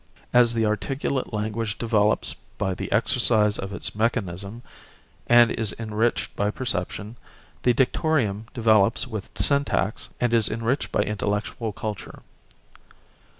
As the articulate language develops by the exercise of its mechanism and is enriched by perception, the dictorium develops with syntax and is enriched by intellectual culture.